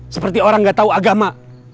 seperti orang gak tahu agama